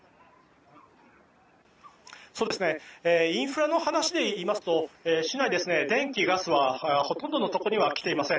インフラの話でいいますと市内、電気・ガスはほとんどのところには来ていません。